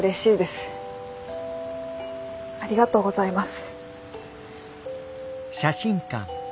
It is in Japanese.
ありがとうございます。